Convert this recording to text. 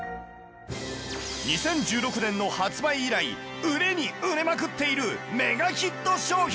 ２０１６年の発売以来売れに売れまくっているメガヒット商品！